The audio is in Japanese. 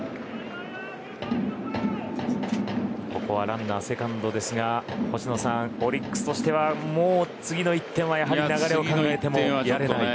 ここはランナーセカンドですがオリックスとしてはもう次の１点は、やはり流れを考えてもやれない。